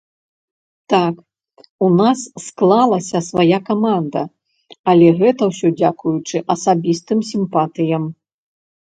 Так, у нас склалася свая каманда, але гэта ўсё дзякуючы асабістым сімпатыям.